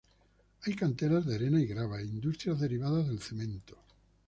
Hay canteras de arena y grava, e industrias derivadas del cemento.